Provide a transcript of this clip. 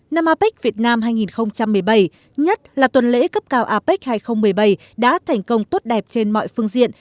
năm apec việt nam hai nghìn một mươi bảy nhất là tuần lễ cấp cao apec hai nghìn một mươi bảy đã thành công tốt đẹp trên mọi phương diện